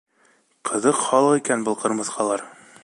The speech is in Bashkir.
Ҡыҙыу халыҡ икән был ҡырмыҫҡалар!